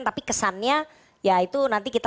tapi kesannya ya itu nanti kita